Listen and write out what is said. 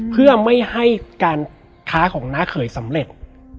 เพื่อไม่ให้การค้าของน้าเขยสำเร็จ